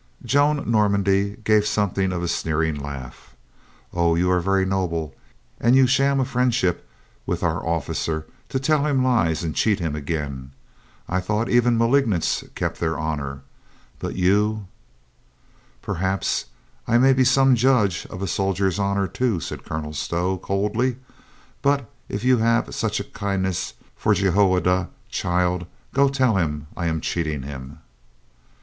Joan Normandy gave something of a sneering laugh. "Oh, you are very noble ! And you sham a friendship with our officer to tell him lies and cheat TOMPKINS SNAPS AT A SHADOW 89 him again. I thought even malignants kept their honor. But you —" "Perhaps I may be some judge of a soldier's honor, too," said Colonel Stow coldly. "But if you have such a kindness for Jehoiada, child, go tell him I am cheating him."